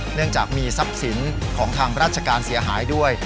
เนื่องจากมีทรัพย์สินของทางราชการเสียหายด้วย